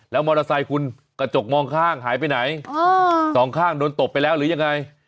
มอเตอร์ไซค์คุณกระจกมองข้างหายไปไหนสองข้างโดนตบไปแล้วหรือยังไง